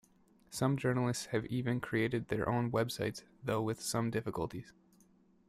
Some journalists have even created their own websites, though with some difficulties.